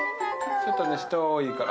ちょっとね人が多いから。